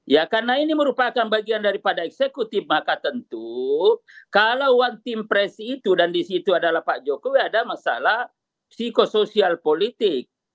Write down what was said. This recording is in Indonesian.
ya karena ini merupakan bagian daripada eksekutif maka tentu kalau one team press itu dan di situ adalah pak jokowi ada masalah psikosoial politik